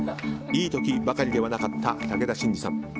いい時ばかりではなかった武田真治さん。